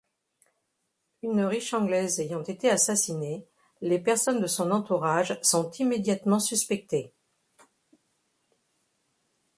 Une riche Anglaise ayant été assassinée, les personnes de son entourage sont immédiatement suspectées.